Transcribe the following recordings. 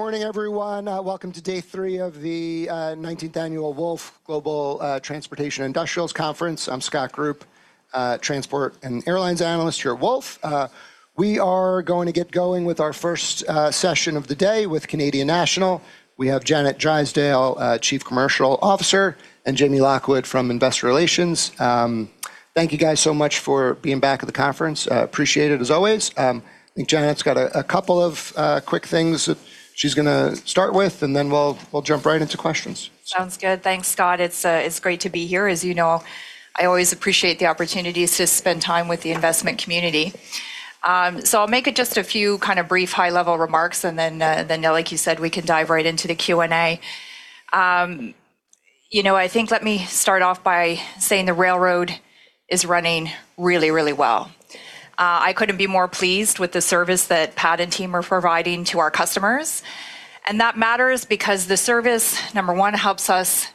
Morning, everyone. Welcome to Day 3 of the 19th Annual Wolfe Global Transportation & Industrials Conference. I'm Scott Group, transport and airlines analyst here at Wolfe Research. We are going to get going with our first session of the day with Canadian National. We have Janet Drysdale, Chief Commercial Officer, and Jamie Lockwood from Investor Relations. Thank you guys so much for being back at the conference. Appreciate it as always. I think Janet's got a couple of quick things that she's going to start with, and then we'll jump right into questions. Sounds good. Thanks, Scott. It's great to be here. As you know, I always appreciate the opportunities to spend time with the investment community. I'll make just a few brief high-level remarks, and then, like you said, we can dive right into the Q&A. Let me start off by saying the railroad is running really, really well. I couldn't be more pleased with the service that Pat and team are providing to our customers. That matters because the service, number one, helps us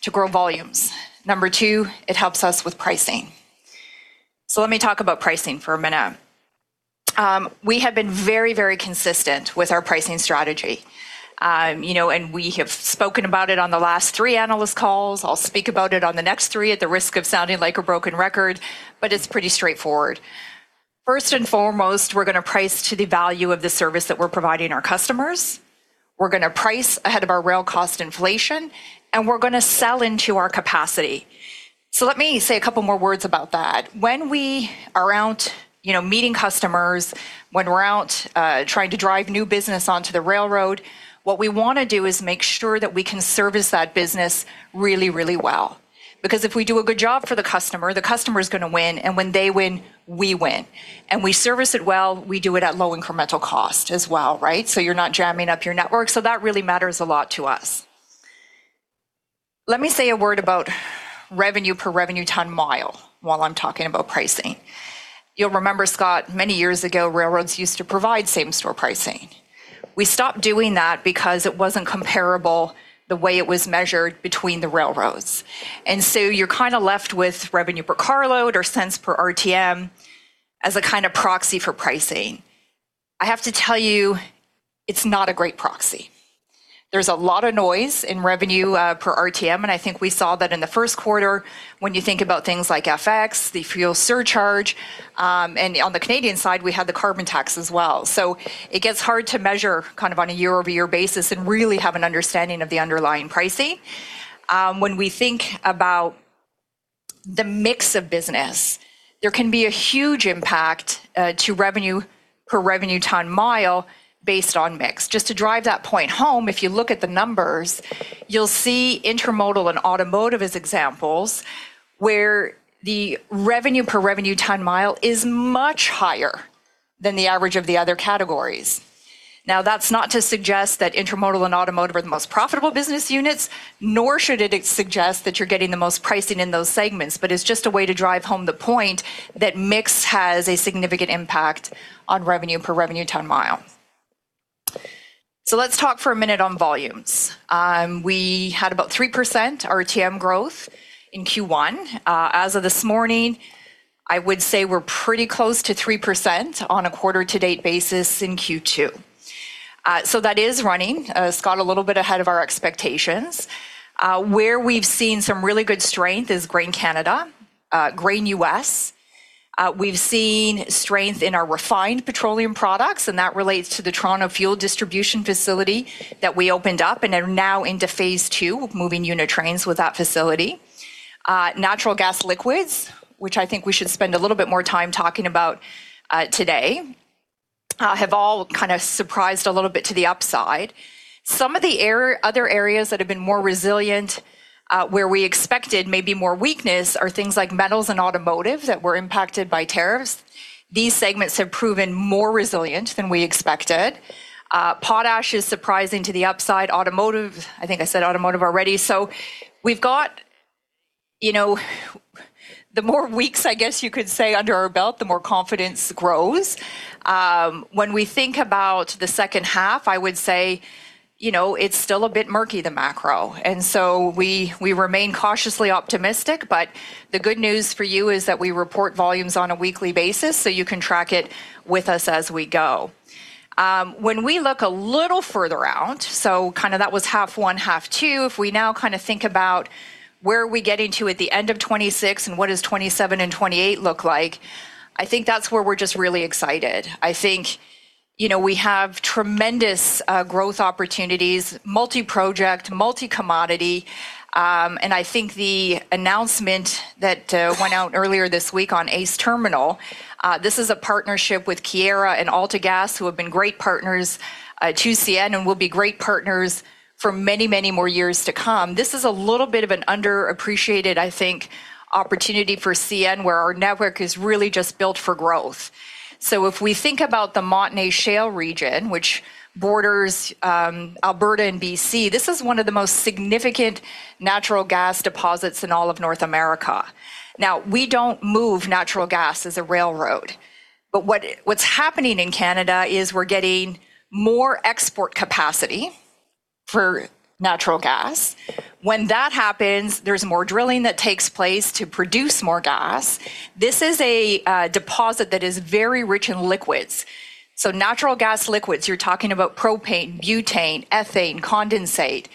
to grow volumes. Number two, it helps us with pricing. Let me talk about pricing for a minute. We have been very, very consistent with our pricing strategy. We have spoken about it on the last three analyst calls. I'll speak about it on the next three at the risk of sounding like a broken record, but it's pretty straightforward. First and foremost, we're going to price to the value of the service that we're providing our customers. We're going to price ahead of our rail cost inflation, we're going to sell into our capacity. Let me say two more words about that. When we are out meeting customers, when we're out trying to drive new business onto the railroad, what we want to do is make sure that we can service that business really, really well. If we do a good job for the customer, the customer is going to win, and when they win, we win. We service it well, we do it at low incremental cost as well, right? You're not jamming up your network. That really matters a lot to us. Let me say a word about revenue per revenue ton-mile while I'm talking about pricing. You'll remember, Scott, many years ago, railroads used to provide same-store pricing. We stopped doing that because it wasn't comparable the way it was measured between the railroads. You're kind of left with revenue per carload or cents per RTM as a kind of proxy for pricing. I have to tell you, it's not a great proxy. There's a lot of noise in revenue per RTM, and I think we saw that in the first quarter when you think about things like FX, the fuel surcharge, and on the Canadian side, we had the carbon tax as well. It gets hard to measure on a year-over-year basis and really have an understanding of the underlying pricing. When we think about the mix of business, there can be a huge impact to revenue per revenue ton-mile based on mix. Just to drive that point home, if you look at the numbers, you'll see intermodal and automotive as examples where the revenue per revenue ton-mile is much higher than the average of the other categories. That's not to suggest that intermodal and automotive are the most profitable business units, nor should it suggest that you're getting the most pricing in those segments, but it's just a way to drive home the point that mix has a significant impact on revenue per revenue ton-mile. Let's talk for a minute on volumes. We had about 3% RTM growth in Q1. As of this morning, I would say we're pretty close to 3% on a quarter to date basis in Q2. That is running, Scott, a little bit ahead of our expectations. Where we've seen some really good strength is Grain Canada, Grain US. We've seen strength in our refined petroleum products, that relates to the Toronto fuel distribution facility that we opened up and are now into Phase 2 of moving unit trains with that facility. natural gas liquids, which I think we should spend a little bit more time talking about today, have all kind of surprised a little bit to the upside. Some of the other areas that have been more resilient, where we expected maybe more weakness are things like metals and automotive that were impacted by tariffs. These segments have proven more resilient than we expected. Potash is surprising to the upside. Automotive, I think I said automotive already. We've got the more weeks, I guess you could say, under our belt, the more confidence grows. When we think about the second half, I would say it's still a bit murky, the macro. We remain cautiously optimistic, but the good news for you is that we report volumes on a weekly basis, so you can track it with us as we go. When we look a little further out, so that was half one, half two. We now think about where are we getting to at the end of 2026 and what does 2027 and 2028 look like? I think that's where we're just really excited. I think we have tremendous growth opportunities, multi-project, multi-commodity. I think the announcement that went out earlier this week on ACE Terminal, this is a partnership with Keyera and AltaGas, who have been great partners to CN and will be great partners for many, many more years to come. This is a little bit of an underappreciated, I think, opportunity for CN, where our network is really just built for growth. If we think about the Montney Shale region, which borders Alberta and B.C., this is one of the most significant natural gas deposits in all of North America. We don't move natural gas as a railroad, but what's happening in Canada is we're getting more export capacity for natural gas. When that happens, there's more drilling that takes place to produce more gas. This is a deposit that is very rich in liquids. Natural gas liquids, you're talking about propane, butane, ethane, condensate.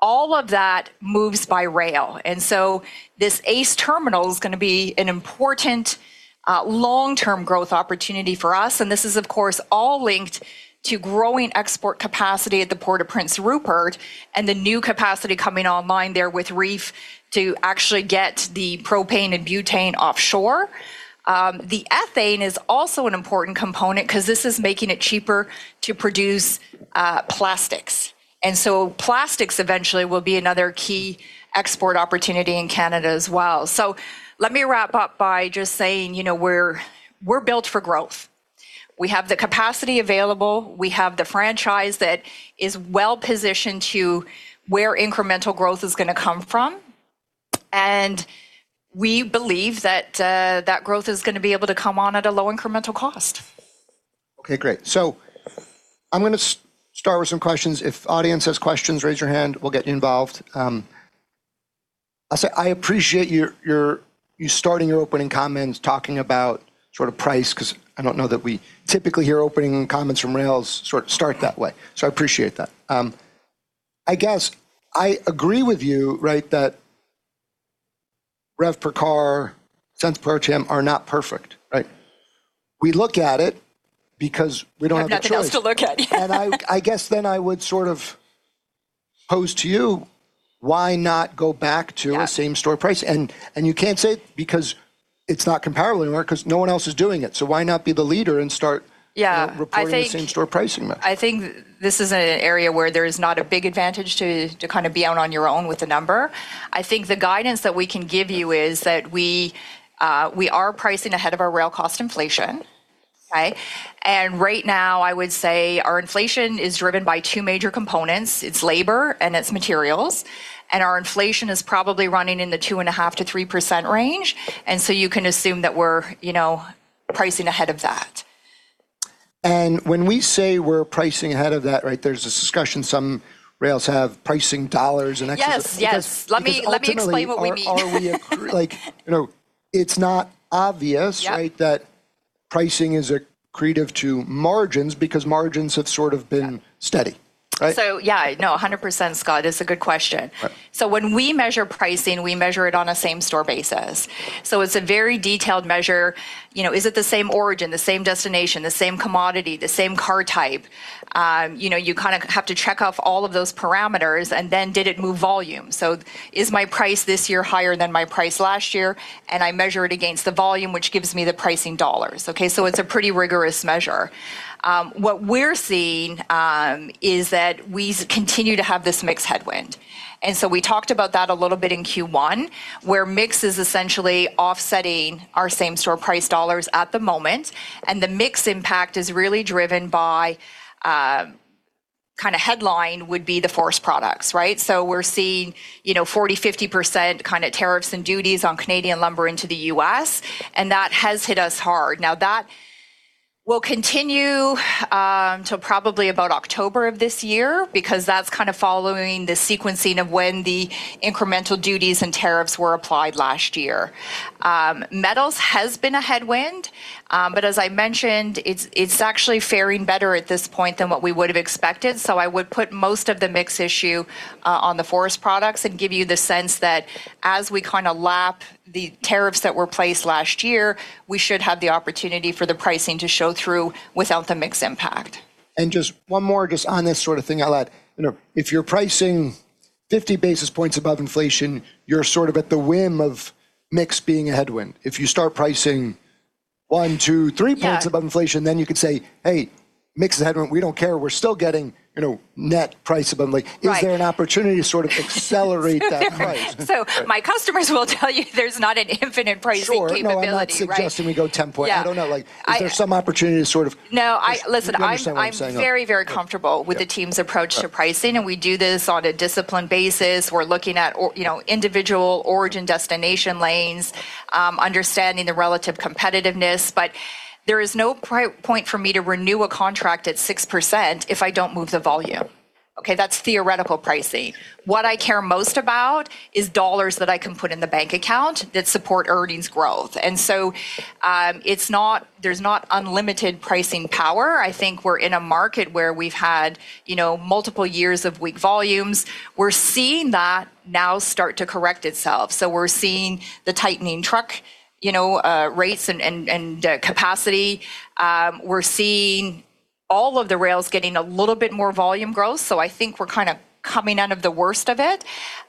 All of that moves by rail. This ACE terminal is going to be an important long-term growth opportunity for us. This is, of course, all linked to growing export capacity at the Port of Prince Rupert and the new capacity coming online there with REEF to actually get the propane and butane offshore. The ethane is also an important component because this is making it cheaper to produce plastics. Plastics eventually will be another key export opportunity in Canada as well. Let me wrap up by just saying, we're built for growth. We have the capacity available. We have the franchise that is well-positioned to where incremental growth is going to come from. We believe that growth is going to be able to come on at a low incremental cost. I'm going to start with some questions. If the audience has questions, raise your hand, we'll get you involved. I appreciate you starting your opening comments talking about price, because I don't know that we typically hear opening comments from rails start that way. I appreciate that. I guess I agree with you, that rev per car, cents per ton are not perfect, right? We look at it because we don't have a choice. Have nothing else to look at. I guess then I would pose to you, why not go back to. Yeah Same-store pricing? You can't say because it's not comparable anymore because no one else is doing it. Why not be the leader and start. Yeah reporting the same-store pricing then? I think this is an area where there is not a big advantage to kind of be out on your own with a number. I think the guidance that we can give you is that we are pricing ahead of our rail cost inflation. Right. Right now, I would say our inflation is driven by two major components. It's labor and it's materials. Our inflation is probably running in the 2.5%-3% range. You can assume that we're pricing ahead of that. When we say we're pricing ahead of that, there's this discussion some rails have pricing dollars and actually. Yes. Let me explain what we mean. Ultimately it's not obvious. Yep that pricing is accretive to margins because margins have sort of been steady, right? Yeah, no, 100%, Scott. It is a good question. Right. When we measure pricing, we measure it on a same-store basis. It's a very detailed measure. Is it the same origin, the same destination, the same commodity, the same car type? You kind of have to check off all of those parameters. Then did it move volume? Is my price this year higher than my price last year? I measure it against the volume, which gives me the pricing dollars, okay. It's a pretty rigorous measure. What we're seeing is that we continue to have this mix headwind. We talked about that a little bit in Q1, where mix is essentially offsetting our same-store price dollars at the moment. The mix impact is really driven by kind of headline would be the forest products. We're seeing 40%-50% kind of tariffs and duties on Canadian lumber into the U.S., and that has hit us hard. That will continue until probably about October of this year, because that's kind of following the sequencing of when the incremental duties and tariffs were applied last year. Metals has been a headwind, but as I mentioned, it's actually faring better at this point than what we would have expected. I would put most of the mix issue on the forest products and give you the sense that as we kind of lap the tariffs that were placed last year, we should have the opportunity for the pricing to show through without the mix impact. Just one more just on this sort of thing I'll add. If you're pricing 50 basis points above inflation, you're sort of at the whim of mix being a headwind. If you start pricing 1, 2, 3 points above. Yeah inflation. You could say, "Hey, mix is a headwind. We don't care. We're still getting net price above. Right Is there an opportunity to sort of accelerate that price? My customers will tell you there's not an infinite pricing capability, right? Sure. No, I'm not suggesting we go 10 point. Yeah. I don't know. Is there some opportunity to sort of? No. Listen. If you understand what I'm saying. I'm very, very comfortable with the team's approach to pricing, and we do this on a disciplined basis. We're looking at individual origin destination lanes, understanding the relative competitiveness. There is no point for me to renew a contract at 6% if I don't move the volume. Okay, that's theoretical pricing. What I care most about is dollars that I can put in the bank account that support earnings growth. There's not unlimited pricing power. I think we're in a market where we've had multiple years of weak volumes. We're seeing that now start to correct itself. We're seeing the tightening truck rates and capacity. We're seeing all of the rails getting a little bit more volume growth. I think we're kind of coming out of the worst of it.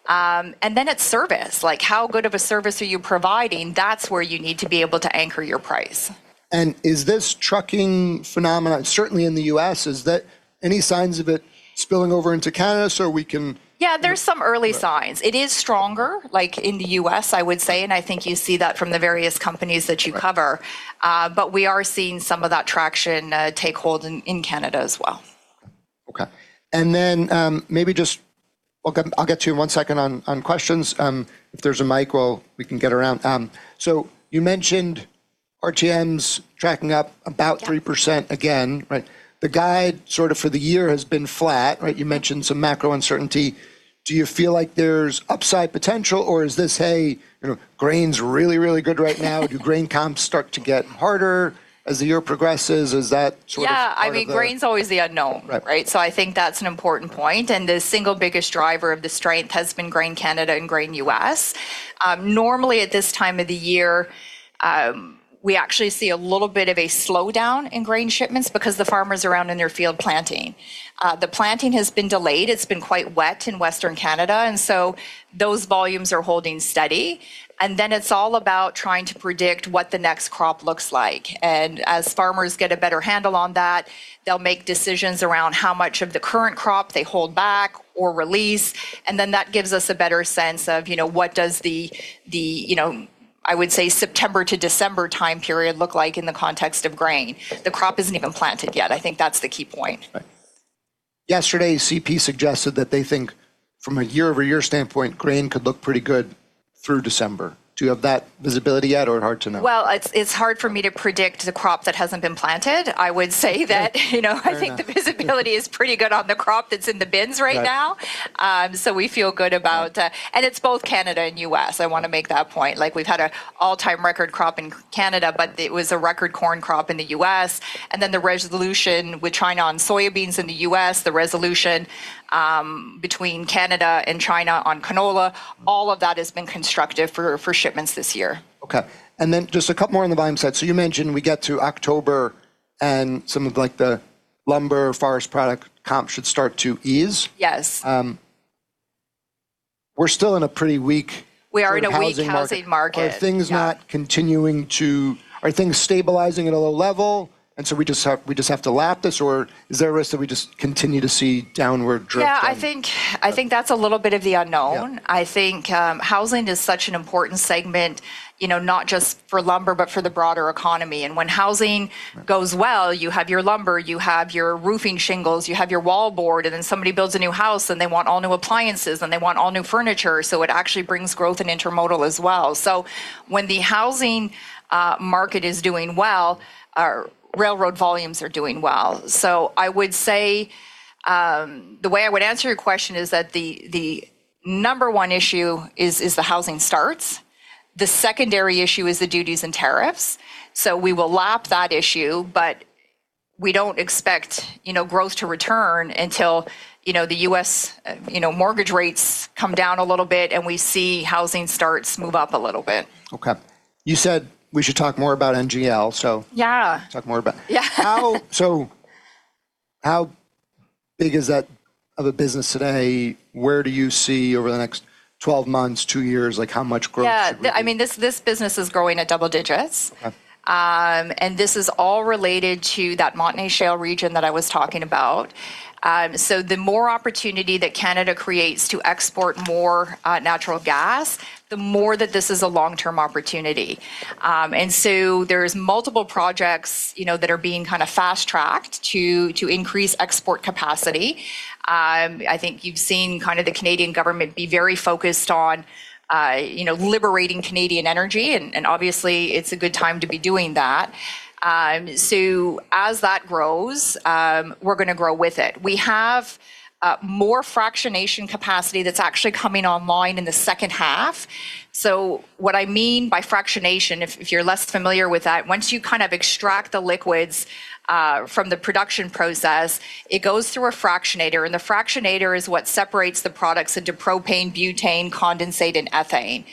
Then it's service. Like how good of a service are you providing? That's where you need to be able to anchor your price. Is this trucking phenomenon, certainly in the U.S., any signs of it spilling over into Canada? Yeah, there's some early signs. It is stronger like in the U.S., I would say, and I think you see that from the various companies that you cover. We are seeing some of that traction take hold in Canada as well. Okay. I'll get to you in one second on questions. If there's a mic, we can get around. You mentioned RTMs tracking up about 3% again, right? The guide sort of for the year has been flat, right? You mentioned some macro uncertainty. Do you feel like there's upside potential or is this, "Hey, grain's really good right now."? Grain comps start to get harder as the year progresses? Yeah. I mean, grain's always the unknown, right? Right. I think that's an important point. The single biggest driver of the strength has been Grain Canada and Grain US. Normally at this time of the year, we actually see a little bit of a slowdown in grain shipments because the farmers are out in their field planting. The planting has been delayed. It's been quite wet in Western Canada, those volumes are holding steady. Then it's all about trying to predict what the next crop looks like. As farmers get a better handle on that, they'll make decisions around how much of the current crop they hold back or release. Then that gives us a better sense of what does the, I would say, September to December time period look like in the context of grain. The crop isn't even planted yet. I think that's the key point. Right. Yesterday, CP suggested that they think from a year-over-year standpoint, grain could look pretty good through December. Do you have that visibility yet or hard to know? Well, it is hard for me to predict the crop that has not been planted. I would say that I think the visibility is pretty good on the crop that is in the bins right now. Right. We feel good about it. It's both Canada and U.S. I want to make that point. We've had an all-time record crop in Canada, but it was a record corn crop in the U.S. Then the resolution with China on soybeans in the U.S., the resolution between Canada and China on canola, all of that has been constructive for shipments this year. Okay. Just two more on the volume side. You mentioned we get to October and some of the lumber forest product comp should start to ease. Yes. We're still in a pretty weak sort of housing market. We are in a weak housing market. Yeah. Are things stabilizing at a low level and so we just have to lap this? Is there a risk that we just continue to see downward drift then? Yeah, I think that's a little bit of the unknown. Yeah. I think housing is such an important segment, not just for lumber but for the broader economy. When housing goes well, you have your lumber, you have your roofing shingles, you have your wall board, and then somebody builds a new house and they want all new appliances, and they want all new furniture. It actually brings growth in intermodal as well. When the housing market is doing well, our railroad volumes are doing well. I would say, the way I would answer your question is that the number one issue is the housing starts. The secondary issue is the duties and tariffs. We will lap that issue, but we don't expect growth to return until the U.S. mortgage rates come down a little bit and we see housing starts move up a little bit. Okay. You said we should talk more about NGL. Yeah talk more about -- Yeah. How big is that of a business today? Where do you see over the next 12 months, two years, how much growth it should be? Yeah. This business is growing at double digits. Okay. This is all related to that Montney Shale region that I was talking about. The more opportunity that Canada creates to export more natural gas, the more that this is a long-term opportunity. There's multiple projects that are being kind of fast-tracked to increase export capacity. I think you've seen kind of the Canadian government be very focused on liberating Canadian energy, and obviously it's a good time to be doing that. As that grows, we're going to grow with it. We have more fractionation capacity that's actually coming online in the second half. What I mean by fractionation, if you're less familiar with that, once you kind of extract the liquids from the production process, it goes through a fractionator. The fractionator is what separates the products into propane, butane, condensate, and ethane.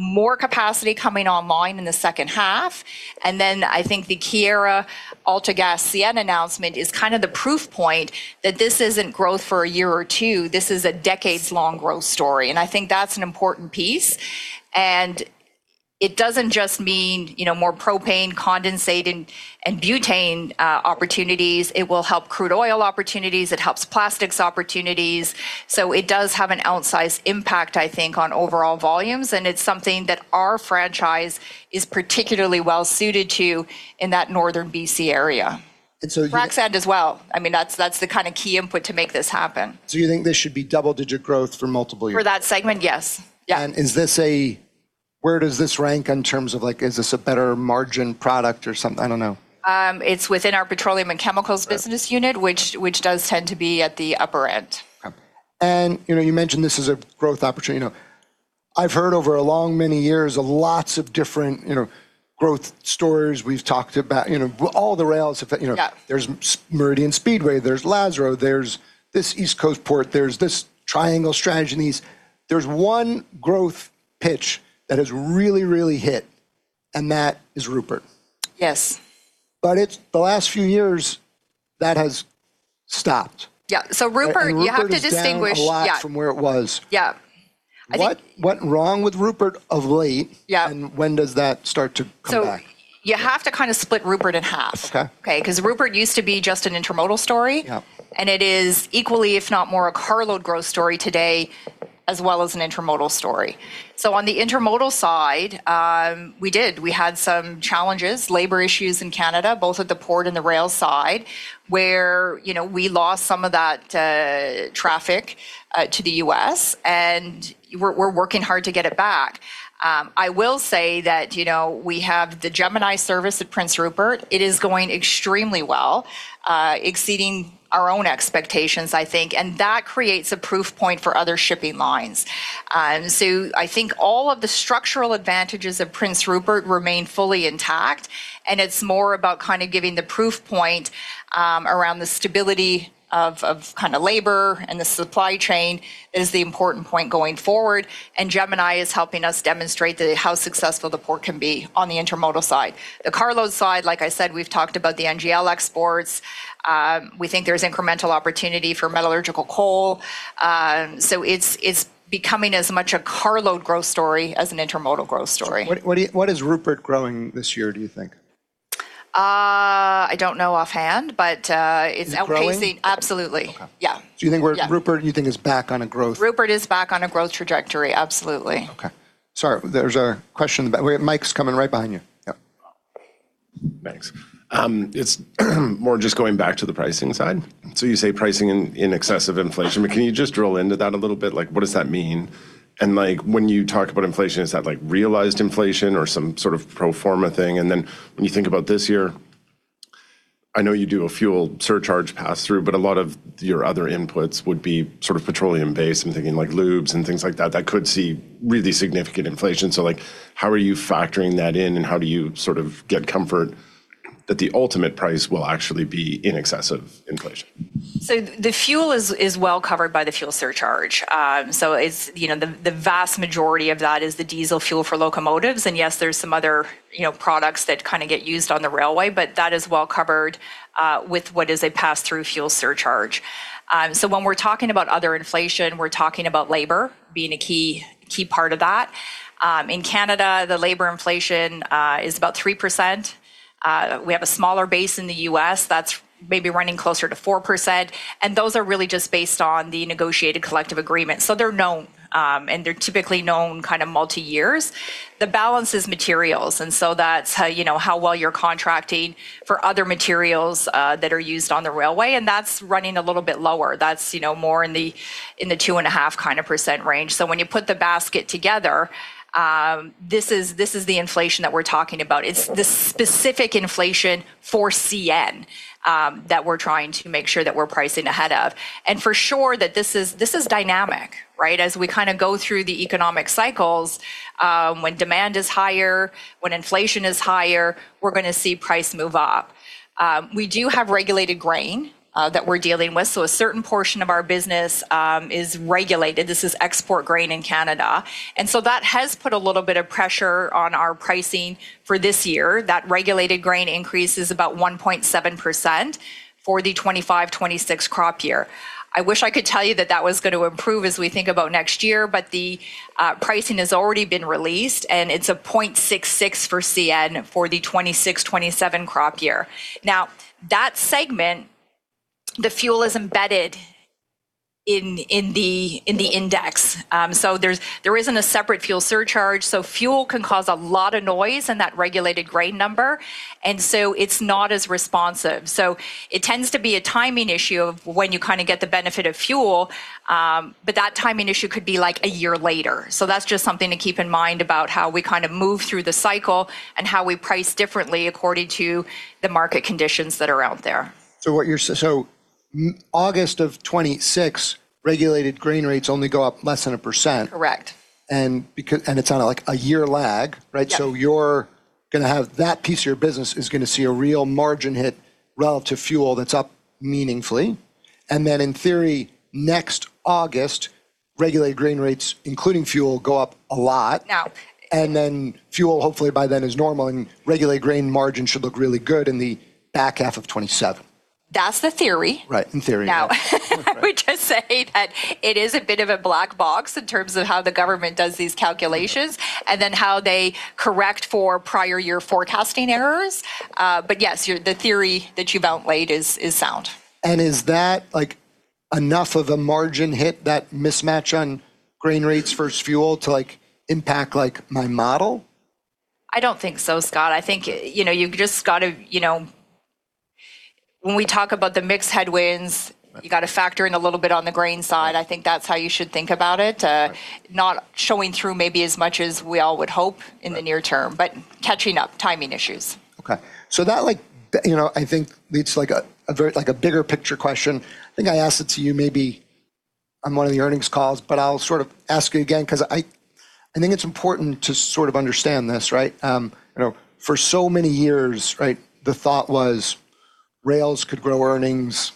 More capacity coming online in the 2nd half. I think the Keyera, AltaGas, CN announcement is kind of the proof point that this isn't growth for one or two. This is a decades-long growth story. I think that's an important piece. It doesn't just mean more propane, condensate, and butane opportunities. It will help crude oil opportunities. It helps plastics opportunities. It does have an outsized impact, I think, on overall volumes. It's something that our franchise is particularly well suited to in that Northern B.C. area. And so you- Frac sand as well. That's the kind of key input to make this happen. You think this should be double-digit growth for multiple years? For that segment, yes. Yeah. Where does this rank in terms of, is this a better margin product or something? I don't know. It's within our petroleum and chemicals business unit, which does tend to be at the upper end. Okay. You mentioned this as a growth opportunity. I've heard over a long many years of lots of different growth stories we've talked about. All the rails have. Yeah. There's Meridian Speedway, there's Lázaro, there's this East Coast port, there's this triangle strategy in the east. There's one growth pitch that has really, really hit, and that is Rupert. Yes. The last few years that has stopped. Yeah. Rupert, you have to distinguish. Rupert is down a lot from where it was. Yeah. What went wrong with Rupert of late? Yeah. When does that start to come back? You have to kind of split Rupert in half. Okay. Okay? Rupert used to be just an intermodal story. Yeah. It is equally, if not more, a carload growth story today. As well as an intermodal story. On the intermodal side, we had some challenges, labor issues in Canada, both at the port and the rail side, where we lost some of that traffic to the U.S., and we're working hard to get it back. I will say that we have the Gemini service at Prince Rupert. It is going extremely well, exceeding our own expectations, I think. That creates a proof point for other shipping lines. I think all of the structural advantages of Prince Rupert remain fully intact, and it's more about giving the proof point around the stability of labor and the supply chain is the important point going forward, and Gemini is helping us demonstrate how successful the port can be on the intermodal side. The carload side, like I said, we've talked about the NGL exports. We think there's incremental opportunity for metallurgical coal. It's becoming as much a carload growth story as an intermodal growth story. What is Prince Rupert growing this year, do you think? I don't know offhand, but it's increasing. Is it growing? Absolutely. Okay. Yeah. Do you think Rupert, you think is back on a growth-? Rupert is back on a growth trajectory, absolutely. Okay. Sorry, there's a question at the back. Mic's coming right behind you. Yep. Thanks. It's more just going back to the pricing side. You say pricing in excessive inflation, but can you just drill into that a little bit? What does that mean? When you talk about inflation, is that realized inflation or some sort of pro forma thing? Then when you think about this year, I know you do a fuel surcharge pass-through, but a lot of your other inputs would be petroleum-based. I'm thinking like lubes and things like that could see really significant inflation. How are you factoring that in, and how do you sort of get comfort that the ultimate price will actually be in excessive inflation? The fuel is well covered by the fuel surcharge. The vast majority of that is the diesel fuel for locomotives, and yes, there's some other products that get used on the railway, but that is well covered with what is a pass-through fuel surcharge. When we're talking about other inflation, we're talking about labor being a key part of that. In Canada, the labor inflation is about 3%. We have a smaller base in the U.S. that's maybe running closer to 4%, and those are really just based on the negotiated collective agreement. They're known, and they're typically known kind of multi-years. The balance is materials, and so that's how well you're contracting for other materials that are used on the railway, and that's running a little bit lower. That's more in the 2.5% kind of range. When you put the basket together, this is the inflation that we're talking about. It's the specific inflation for CN that we're trying to make sure that we're pricing ahead of. For sure that this is dynamic, right? As we go through the economic cycles, when demand is higher, when inflation is higher, we're going to see price move up. We do have regulated grain that we're dealing with, so a certain portion of our business is regulated. This is export grain in Canada. That has put a little bit of pressure on our pricing for this year. That regulated grain increase is about 1.7% for the 2025, 2026 crop year. I wish I could tell you that that was going to improve as we think about next year, but the pricing has already been released, and it's a 0.66 for CN for the 2026, 2027 crop year. That segment, the fuel is embedded in the index. There isn't a separate fuel surcharge. Fuel can cause a lot of noise in that regulated grain number, it's not as responsive. It tends to be a timing issue of when you get the benefit of fuel, but that timing issue could be like a year later. That's just something to keep in mind about how we move through the cycle and how we price differently according to the market conditions that are out there. August of 2026, regulated grain rates only go up less than 1%. Correct. It's on a year lag, right? Yeah. You're going to have that piece of your business is going to see a real margin hit relative to fuel that's up meaningfully. In theory, next August, regulated grain rates, including fuel, go up a lot. Yeah. Fuel, hopefully by then, is normal, and regulated grain margins should look really good in the back half of 2027. That's the theory. Right. In theory, yeah. I would just say that it is a bit of a black box in terms of how the government does these calculations, and then how they correct for prior year forecasting errors. Yes, the theory that you've outlined is sound. Is that enough of a margin hit, that mismatch on grain rates versus fuel to impact my model? I don't think so, Scott. I think you've just got to When we talk about the mix headwinds, you got to factor in a little bit on the grain side. I think that's how you should think about it. Not showing through maybe as much as we all would hope in the near term, but catching up, timing issues. Okay. That I think leads a bigger picture question. I think I asked it to you maybe on one of the earnings calls, but I'll sort of ask you again, because I think it's important to sort of understand this, right? For so many years, the thought was rails could grow earnings,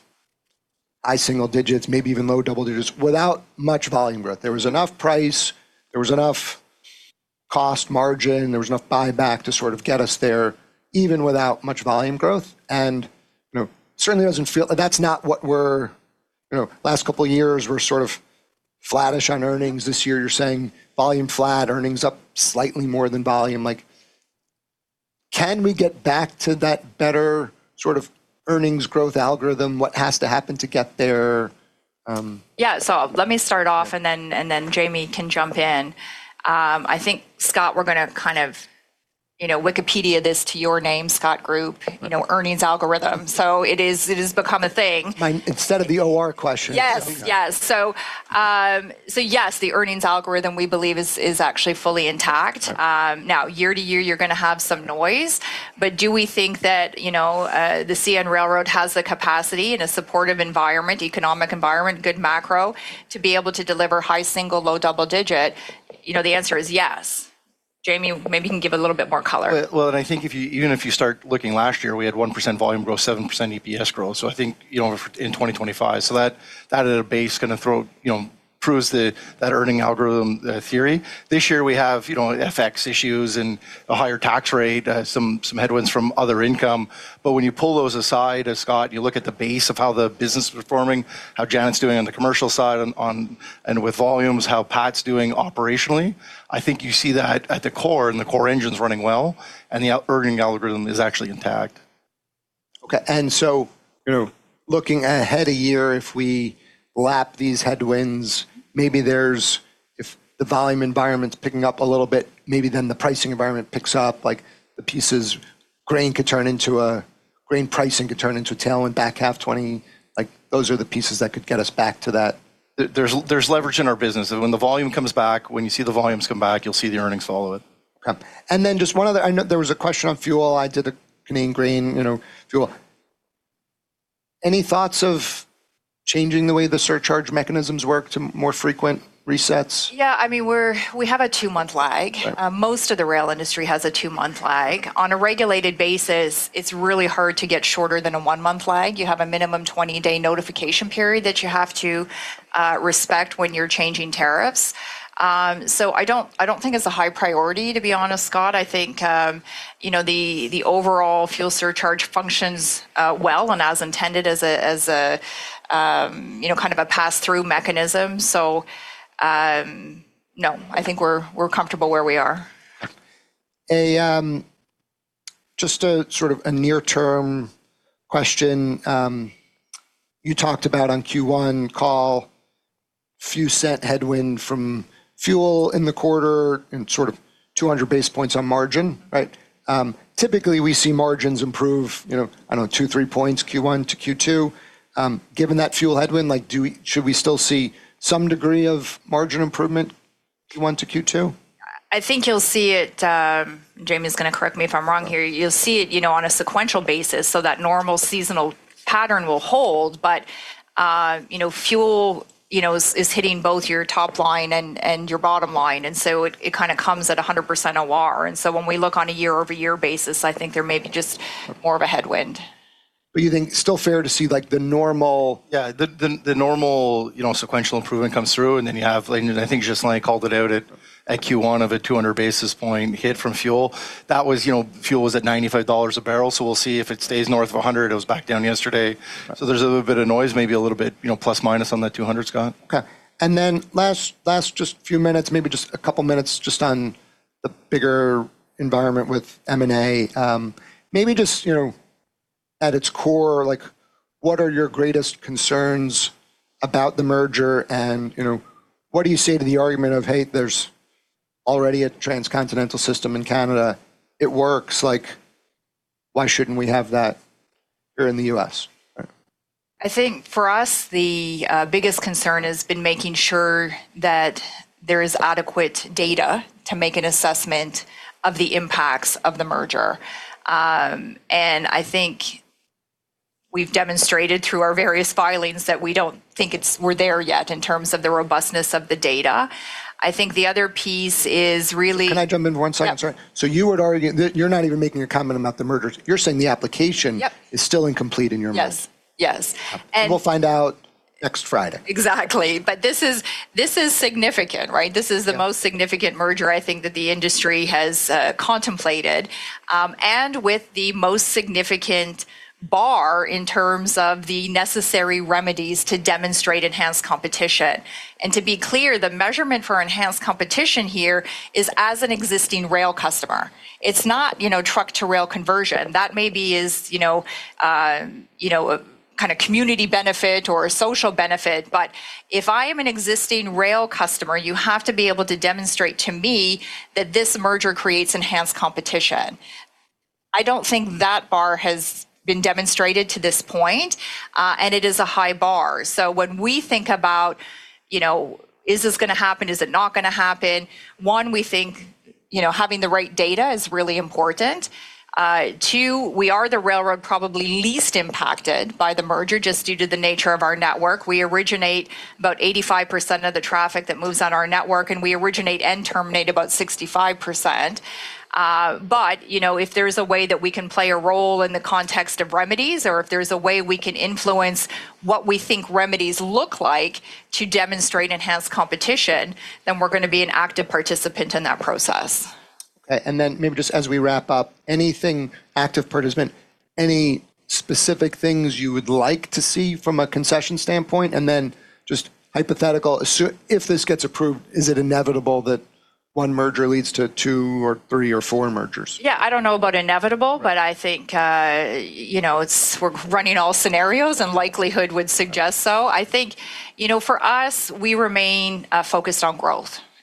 high single digits, maybe even low double digits, without much volume growth. There was enough price, there was enough cost margin, there was enough buyback to sort of get us there, even without much volume growth, and certainly that's not. Last couple of years, we're sort of flattish on earnings. This year, you're saying volume flat, earnings up slightly more than volume. Like, can we get back to that better sort of earnings growth algorithm? What has to happen to get there? Yeah. Let me start off and then Jamie can jump in. I think, Scott, we're going to kind of Wikipedia this to your name, Scott Group, earnings algorithm. It has become a thing. Instead of the OR question. Yes. Yes, the earnings algorithm we believe is actually fully intact. Okay. Now, year to year, you're going to have some noise. Do we think that CN has the capacity and a supportive environment, economic environment, good macro, to be able to deliver high single, low double-digit? The answer is yes. Jamie, maybe you can give a little bit more color. Well, I think even if you start looking last year, we had 1% volume growth, 7% EPS growth, so I think in 2025. That at a base kind of proves that earnings algorithm theory. This year, we have FX issues and a higher tax rate, some headwinds from other income. When you pull those aside, as Scott, you look at the base of how the business is performing, how Janet's doing on the commercial side, and with volumes, how Pat's doing operationally, I think you see that at the core, and the core engine's running well. The earnings algorithm is actually intact. Okay. Looking ahead a year, if we lap these headwinds, if the volume environment's picking up a little bit, maybe then the pricing environment picks up, like the pieces, grain pricing could turn into a tailwind back half 2020. Those are the pieces that could get us back to that. There's leverage in our business. When the volume comes back, when you see the volumes come back, you'll see the earnings follow it. Okay. Then just one other, I know there was a question on fuel. I did the Clean Fuel Regulations. Any thoughts of changing the way the surcharge mechanisms work to more frequent resets? Yeah. We have a two-month lag. Right. Most of the rail industry has a two-month lag. On a regulated basis, it's really hard to get shorter than a one-month lag. You have a minimum 20-day notification period that you have to respect when you're changing tariffs. I don't think it's a high priority, to be honest, Scott. I think the overall fuel surcharge functions well and as intended as a kind of a pass-through mechanism. No, I think we're comfortable where we are. A sort of a near term question. You talked about on Q1 call, few CAD 0.01 headwind from fuel in the quarter and sort of 200 basis points on margin, right? Typically, we see margins improve, I know 2, 3 points Q1 to Q2. Given that fuel headwind, should we still see some degree of margin improvement Q1 to Q2? I think you'll see it, Jamie's going to correct me if I'm wrong here. You'll see it on a sequential basis, so that normal seasonal pattern will hold, but fuel is hitting both your top line and your bottom line. It kind of comes at 100% OR. When we look on a year-over-year basis, I think there may be just more of a headwind. You think still fair to see the normal? The normal sequential improvement comes through, and then you have, I think just called it out at Q1 of a 200 basis point hit from fuel. That was fuel was at 95 dollars a barrel. We'll see if it stays north of 100. It was back down yesterday. Right. There's a little bit of noise, maybe a little bit plus minus on that 200, Scott. Okay. Last just few minutes, maybe just a couple of minutes just on the bigger environment with M&A. Maybe just at its core, what are your greatest concerns about the merger and what do you say to the argument of, hey, there's already a transcontinental system in Canada. It works. Why shouldn't we have that here in the U.S.? Right. I think for us, the biggest concern has been making sure that there is adequate data to make an assessment of the impacts of the merger. I think we've demonstrated through our various filings that we don't think we're there yet in terms of the robustness of the data. Can I jump in for one second? Sorry. Yeah. You're not even making a comment about the merger. You're saying the application. Yep is still incomplete in your mind? Yes. We'll find out next Friday. Exactly. This is significant, right? This is the most significant merger I think that the industry has contemplated. With the most significant bar in terms of the necessary remedies to demonstrate enhanced competition. To be clear, the measurement for enhanced competition here is as an existing rail customer. It's not truck to rail conversion. That may be is a kind of community benefit or a social benefit. If I am an existing rail customer, you have to be able to demonstrate to me that this merger creates enhanced competition. I don't think that bar has been demonstrated to this point. It is a high bar. When we think about, is this going to happen? Is it not going to happen? One, we think having the right data is really important. Two, we are the railroad probably least impacted by the merger just due to the nature of our network. We originate about 85% of the traffic that moves on our network, and we originate and terminate about 65%. If there's a way that we can play a role in the context of remedies or if there's a way we can influence what we think remedies look like to demonstrate enhanced competition, then we're going to be an active participant in that process. Okay. Maybe just as we wrap up, anything active participant, any specific things you would like to see from a concession standpoint? Just hypothetical, if this gets approved, is it inevitable that one merger leads to two or three or four mergers? I don't know about inevitable, but I think we're running all scenarios and likelihood would suggest so.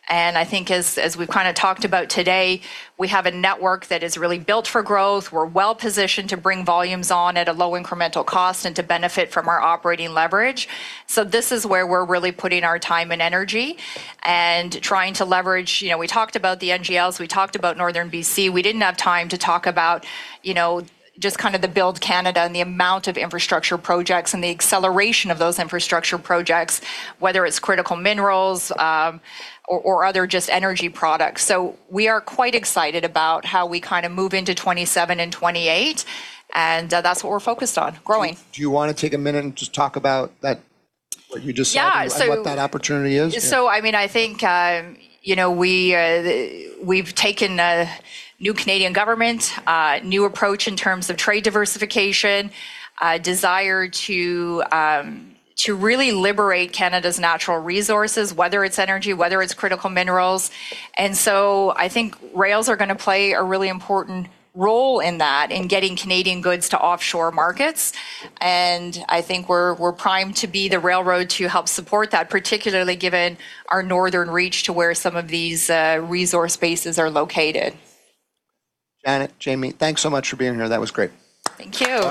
I think as we've kind of talked about today, we have a network that is really built for growth. We're well-positioned to bring volumes on at a low incremental cost and to benefit from our operating leverage. This is where we're really putting our time and energy and trying to leverage. We talked about the NGLs, we talked about Northern B.C. We didn't have time to talk about just kind of the Build Canada and the amount of infrastructure projects and the acceleration of those infrastructure projects, whether it's critical minerals, or other just energy products. We are quite excited about how we kind of move into 2027 and 2028. That's what we're focused on, growing. Do you want to take a minute and just talk about that, what you just said? Yeah What that opportunity is? I think we've taken a new Canadian government, new approach in terms of trade diversification, a desire to really liberate Canada's natural resources, whether it's energy, whether it's critical minerals. I think rails are going to play a really important role in that, in getting Canadian goods to offshore markets. I think we're primed to be the railroad to help support that, particularly given our northern reach to where some of these resource bases are located. Janet, Jamie, thanks so much for being here. That was great. Thank you.